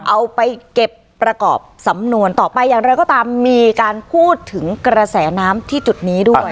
เอาไปเก็บประกอบสำนวนต่อไปอย่างไรก็ตามมีการพูดถึงกระแสน้ำที่จุดนี้ด้วย